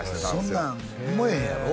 そんなん思えへんやろ？